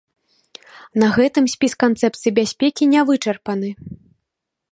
На гэтым спіс канцэпцый бяспекі не вычарпаны.